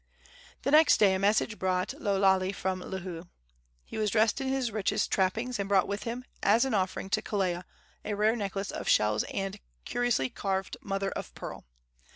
The next day a message brought Lo Lale from Lihue. He was dressed in his richest trappings, and brought with him, as an offering to Kelea, a rare necklace of shells and curiously carved mother of pearl.